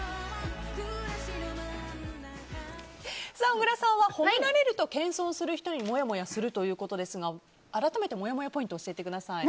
小倉さんは褒められると謙遜する人にもやもやするということですが改めて、もやもやポイント教えてください。